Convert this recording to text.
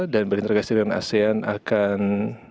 dan berintergasi dengan asean akan